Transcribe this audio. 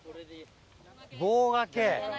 棒がけ。